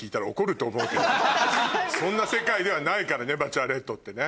そんな世界ではないからね『バチェラレット』ってね。